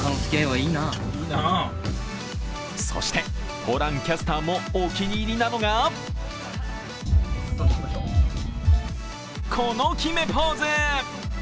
そして、ホランキャスターもお気に入りなのがこの決めポーズ。